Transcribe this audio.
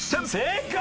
正解！